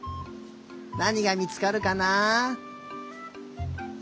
なにがみつかるかなあ？